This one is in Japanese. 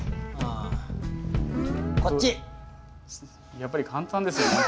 やっぱり簡単ですね問題。